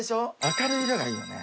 明るい色がいいよね。